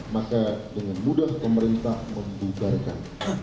maka dengan mudah pemerintah membubarkan